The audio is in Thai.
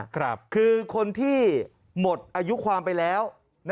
คือคนที่หมดอายุความไปแล้ว